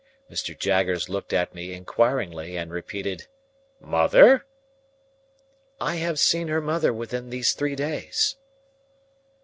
Mr. Jaggers looked at me inquiringly, and repeated "Mother?" "I have seen her mother within these three days."